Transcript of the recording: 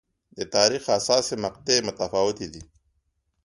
د تاریخ حساسې مقطعې متفاوتې دي.